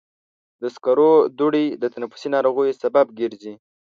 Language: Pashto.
د سکرو دوړې د تنفسي ناروغیو سبب ګرځي.